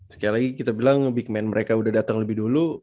sekali lagi kita bilang big man mereka udah datang lebih dulu